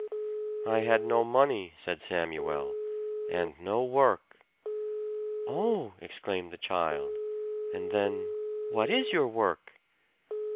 "I had no money," said Samuel, "and no work." "Oh!" exclaimed the child; and then, "What is your work?"